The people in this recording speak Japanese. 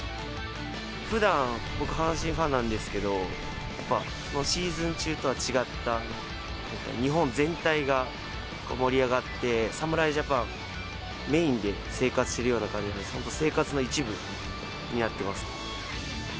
ふだん、僕、阪神ファンなんですけれども、そのシーズン中とは違った、日本全体が盛り上がって、侍ジャパンメインで生活してるような感じで、本当、生活の一部になってます。